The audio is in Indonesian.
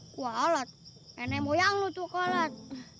kualet nenek moyang lu tuh kualet